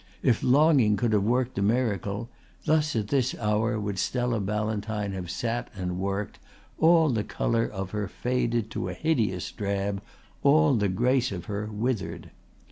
If longing could have worked the miracle, thus at this hour would Stella Ballantyne have sat and worked, all the colour of her faded to a hideous drab, all the grace of her withered.